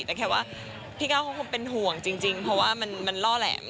แต่แค่ว่าพี่ก้าวเขาคงเป็นห่วงจริงเพราะว่ามันล่อแหลม